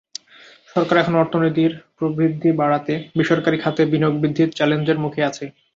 সরকার এখন অর্থনীতির প্রবৃদ্ধি বাড়াতে বেসরকারি খাতে বিনিয়োগ বৃদ্ধির চ্যালেঞ্জের মুখে আছে।